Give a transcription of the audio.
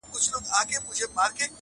• ویل ژر سه مُلا پورته سه کښتۍ ته -